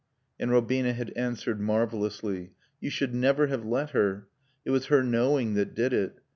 And Robina had answered, marvelously. "You should never have let her. It was her knowing that did it.